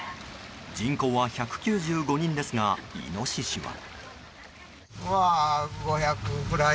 人口は１９５人ですがイノシシは。